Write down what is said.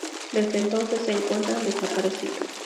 Desde entonces se encuentra desaparecido.